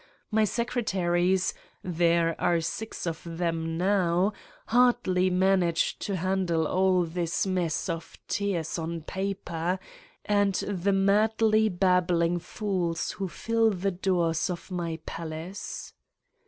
My secre taries there are six of them now hardly man age to handle all this mess of tears on paper, and the madly babbling fools who fill the doors of my palace.